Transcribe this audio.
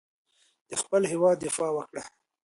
د خپل هېواد دفاع وکړه.